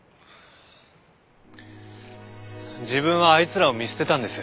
自分はあいつらを見捨てたんです。